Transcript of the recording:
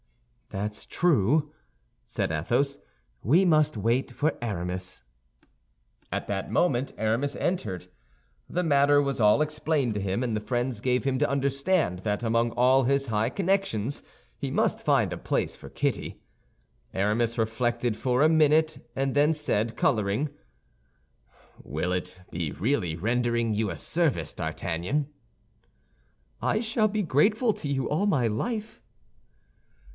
"That's true," said Athos; "we must wait for Aramis." At that moment Aramis entered. The matter was all explained to him, and the friends gave him to understand that among all his high connections he must find a place for Kitty. Aramis reflected for a minute, and then said, coloring, "Will it be really rendering you a service, D'Artagnan?" "I shall be grateful to you all my life."